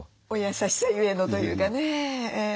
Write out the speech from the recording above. お優しさゆえのというかね。